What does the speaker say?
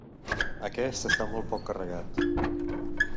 Aquest està molt poc carregat.